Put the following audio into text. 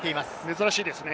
珍しいですね。